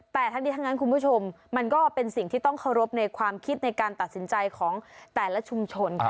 แต่ทั้งนี้ทั้งนั้นคุณผู้ชมมันก็เป็นสิ่งที่ต้องเคารพในความคิดในการตัดสินใจของแต่ละชุมชน